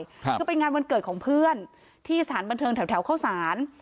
คือไปงานวันเกิดของเพื่อนที่สถานบันเทิงแถวแถวเข้าสาร